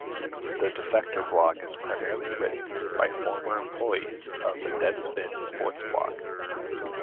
The Defector blog is primarily written by former employees of the "Deadspin" sports blog.